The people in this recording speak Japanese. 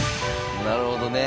なるほどね。